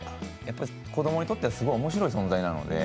子どもにとっては、すごいおもしろい存在なので。